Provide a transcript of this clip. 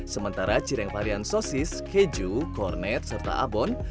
sementara cireng varian sosis keju kornet serta abon